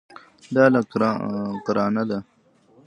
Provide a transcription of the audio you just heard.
دا له قرانه ده.